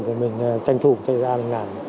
rồi mình tranh thủ chạy ra làm